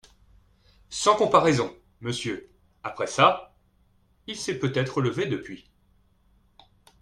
Sans comparaison, monsieur ; après ça, il s’est peut-être levé depuis…